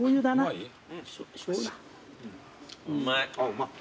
うまい。